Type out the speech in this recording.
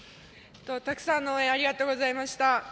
たくさんの応援ありがとうございました。